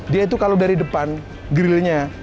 dia itu kalau dari depan grillnya